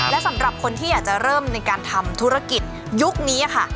และสำหรับคนที่อยากจะเริ่มในการทำธุรกิจยุคนี้ค่ะ